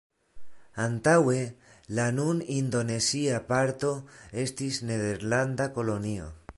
Antaŭe, la nun indonezia parto estis nederlanda kolonio.